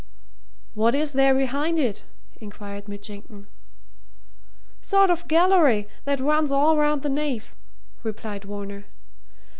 "What is there behind it?" inquired Mitchington. "Sort of gallery, that runs all round the nave," replied Varner.